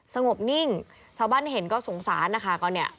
สงบนิ่งชาวบ้านเห็นก็สงสารนะคะก็เนี่ย